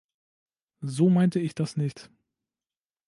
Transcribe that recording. So meinte ich das nicht!